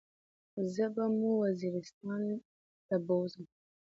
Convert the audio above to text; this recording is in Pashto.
زه به مو وزيرستان له بوزم.